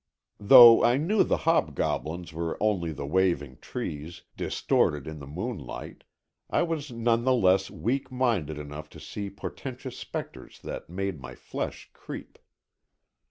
Though I knew the hobgoblins were only the waving trees, distorted in the moonlight, I was none the less weak minded enough to see portentous spectres that made my flesh creep.